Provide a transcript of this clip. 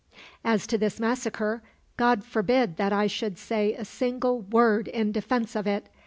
"As to this massacre, God forbid that I should say a single word in defense of it!